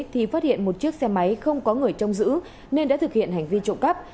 thì phát hiện một chiếc xe máy không có người trông giữ nên đã thực hiện hành vi trộm cắp